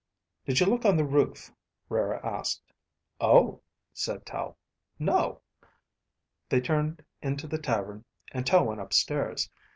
"Did you look on the roof?" Rara asked. "Oh," said Tel. "No." They turned into the tavern and Tel went upstairs.